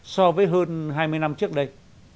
so với hơn hai mươi năm trước đây